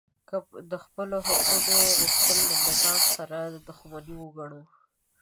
که د خپلو حقونو غوښتل له نظام سره دښمني وګڼو